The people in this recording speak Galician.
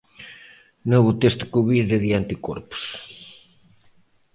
Novo test covid de anticorpos.